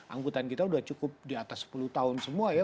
angkutan kita sudah cukup di atas sepuluh tahun semua ya